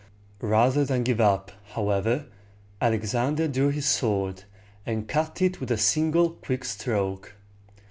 Rather than give it up, however, Alexander drew his sword, and cut it with a single quick stroke.